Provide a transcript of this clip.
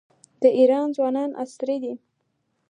د ایران ځوانان عصري دي.